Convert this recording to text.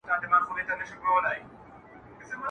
گراني خبري سوې پرې نه پوهېږم_